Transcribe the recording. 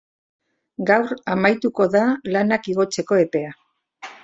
Gaur amaituko da lanak igotzeko epea.